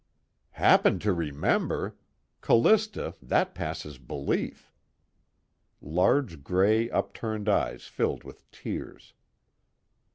"Happen to remember! Callista, that passes belief." Large gray upturned eyes filled with tears.